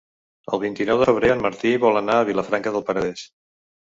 El vint-i-nou de febrer en Martí vol anar a Vilafranca del Penedès.